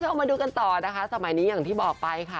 เอามาดูกันต่อนะคะสมัยนี้อย่างที่บอกไปค่ะ